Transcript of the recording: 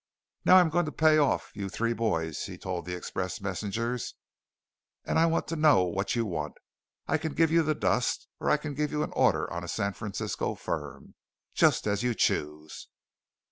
"Now I'm going to pay off you three boys," he told the express messengers, "and I want to know what you want. I can give you the dust, or I can give you an order on a San Francisco firm, just as you choose."